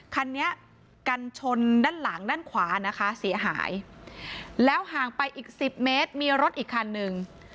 คันนี้กันชนด้านหลังด้านขวานะคะเสียหายแล้วห่างไปอีกสิบเมตรมีรถอีกคันนึง